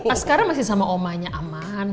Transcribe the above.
askara masih sama omanya aman